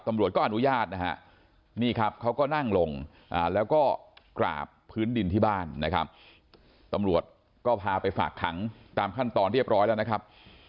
ตำรวจก็อนุญาตนะฮะนี่ครับเขาก็นั่งลงแล้วก็กราบพื้นดินที่บ้านนะครับตำรวจก็พาไปฝากขังตามขั้นตอนเรียบร้อยแล้วนะครับ